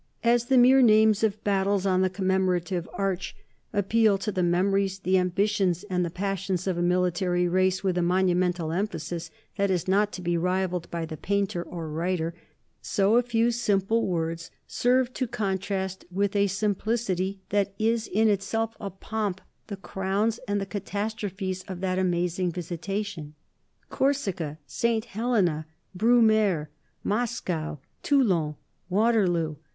As the mere names of battles on the commemorative arch appeal to the memories, the ambitions, and the passions of a military race with a monumental emphasis that is not to be rivalled by the painter or writer, so a few simple words serve to contrast with a simplicity that is in itself a pomp the crowns and the catastrophes of that amazing visitation. "Corsica," "St. Helena," "Brumaire," "Moscow," "Toulon," "Waterloo."